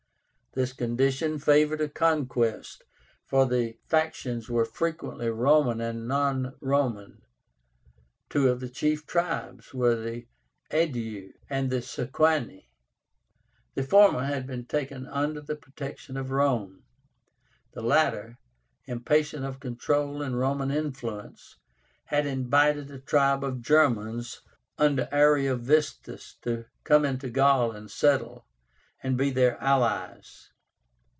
This condition favored a conquest, for the factions were frequently Roman and non Roman. Two of the chief tribes were the AEDUI and SEQUANI. The former had been taken under the protection of Rome; the latter, impatient of control and Roman influence, had invited a tribe of Germans under Ariovistus to come into Gaul and settle, and be their allies.